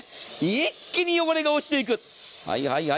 一気に汚れが落ちていく。